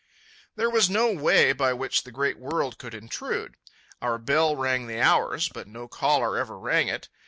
There was no way by which the great world could intrude. Our bell rang the hours, but no caller ever rang it.